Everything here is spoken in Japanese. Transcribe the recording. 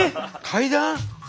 階段？